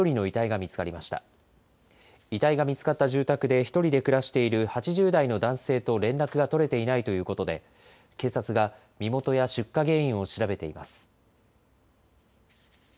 遺体が見つかった住宅で１人で暮らしている８０代の男性と連絡が取れていないということで、警察が身元や出火原因を調べています。